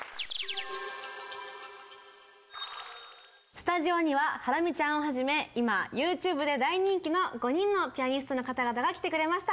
スタジオにはハラミちゃんをはじめ今ＹｏｕＴｕｂｅで大人気の５人のピアニストの方々が来てくれました。